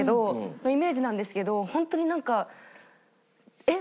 のイメージなんですけどホントになんかえっ